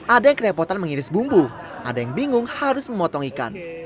ada yang kerepotan mengiris bumbu ada yang bingung harus memotong ikan